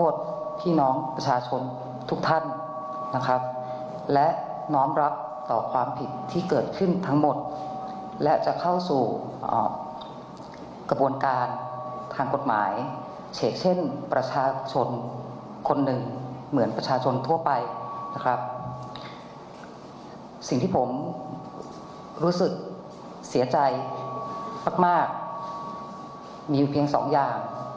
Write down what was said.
สิ่งที่ผมรู้สึกเสียใจมากมีอยู่เพียงสองอย่าง